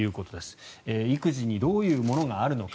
育児にどういうものがあるのか。